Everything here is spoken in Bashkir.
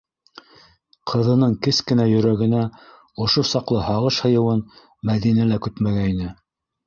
Ҡыҙының кес кенә йөрәгенә ошо саҡлы һағыш һыйыуын Мәҙинә лә көтмәгәйне.